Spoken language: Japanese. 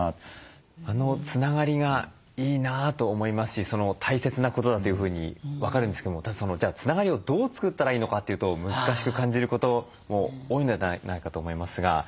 あのつながりがいいなと思いますし大切なことだというふうに分かるんですけどもじゃあつながりをどう作ったらいいのかというと難しく感じることも多いのではないかと思いますが。